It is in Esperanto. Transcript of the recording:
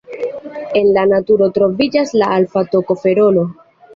En la naturo troviĝas la alfa-tokoferolo.